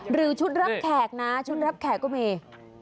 หรือชุดรับแขกนะชุดรับแขกก็มี